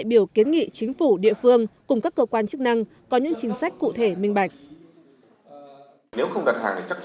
nếu không đặt hàng thì chắc chắn các cơ quan báo chí địa phương sẽ không thể tồn tại được